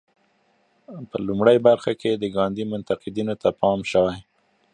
په لومړۍ برخه کې د ګاندي منتقدینو ته پام شوی.